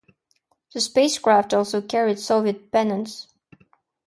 The spacecraft also carried Soviet pennants.